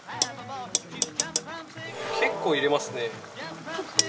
結構入れますね。